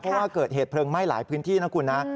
เพราะว่าเกิดเหตุเพลิงไหม้หลายพื้นที่นะคุณนะ